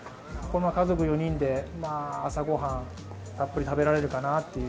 家族４人で朝ご飯、たっぷり食べられるかなっていう。